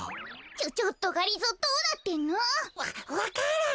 ちょちょっとがりぞーどうなってんの？わわからん。